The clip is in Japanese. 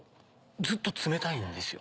ずっと冷たいんですよ。